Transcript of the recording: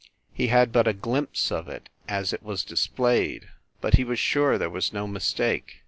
He had but a glimpse of it, as it was displayed, but he was sure there was no mistake.